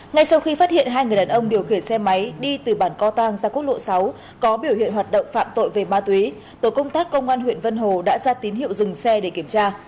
ngay sau khi phát hiện hai người đàn ông điều khiển xe máy đi từ bản co tăng ra quốc lộ sáu có biểu hiện hoạt động phạm tội về ma túy tổ công tác công an huyện vân hồ đã ra tín hiệu dừng xe để kiểm tra